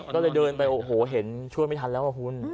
ก็เลยเดินไปโอ้โหเห็นช่วยไม่ทันแล้วอ่ะคุณ